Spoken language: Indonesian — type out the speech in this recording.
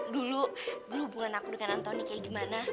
dulu dulu hubungan aku dengan antoni kayak gimana